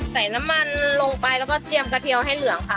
ใส่น้ำมันลงไปแล้วก็เตรียมกระเทียวให้เหลืองค่ะ